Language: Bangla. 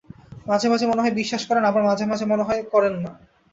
মাঝে মাঝে মনে হয় বিশ্বাস করেন, আবার মাঝে-মাঝে মনে হয় করেন না।